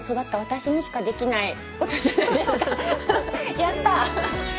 やった！